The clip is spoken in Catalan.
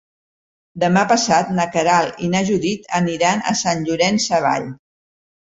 Demà passat na Queralt i na Judit aniran a Sant Llorenç Savall.